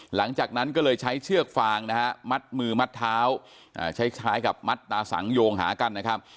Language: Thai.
หลังจากนั้นก็เลยใช้เชือกฟางนะฮะมัดมือมัดเท้าใช้กับมัดตาสังโยงหากันนะครับ